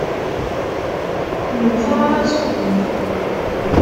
Nwet aɣrab s ubunyiw.